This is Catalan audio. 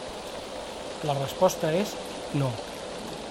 La resposta és «no».